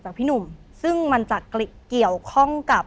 พี่หนุ่มซึ่งมันจะเกี่ยวข้องกับ